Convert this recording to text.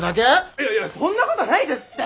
いやいやそんなことないですって！